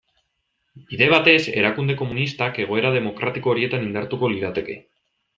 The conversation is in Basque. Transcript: Bide batez, erakunde komunistak egoera demokratiko horietan indartuko lirateke.